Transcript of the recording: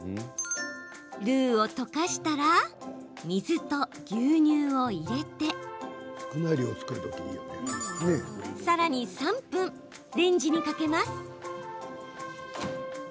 ルーを溶かしたら水と牛乳を入れてさらに３分、レンジにかけます。